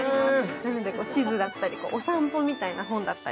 なので地図だったりお散歩みたいな本だったり。